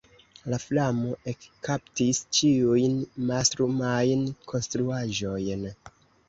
La flamo ekkaptis ĉiujn mastrumajn konstruaĵojn.